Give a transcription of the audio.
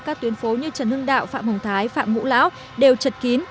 các tuyến phố như trần hưng đạo phạm hồng thái phạm ngũ lão đều chật kín